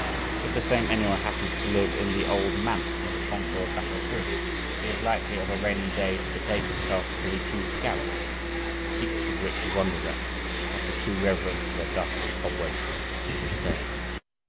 If the same anyone happens to live in the "Old Manse" near the Concord Battle Bridge, he is likely "of a rainy day to betake himself to the huge garret," the secrets of which he wonders at, "but is too reverent of their dust and cobwebs to disturb."